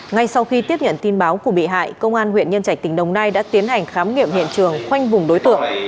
ngay sau khi tiếp nhận tin báo của bị hại công an huyện nhân trạch tỉnh đồng nai đã tiến hành khám nghiệm hiện trường khoanh vùng đối tượng